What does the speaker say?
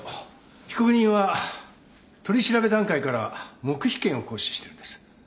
被告人は取り調べ段階から黙秘権を行使しているんです。